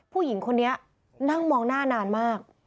ผู้หญิงคนนี้นั่งมองหน้านานมาก